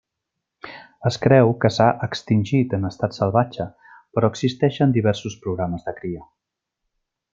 Es creu que s'ha extingit en estat salvatge, però existeixen diversos programes de cria.